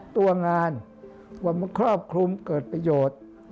ตัวงานว่ามันครอบคลุมเกิดประโยชน์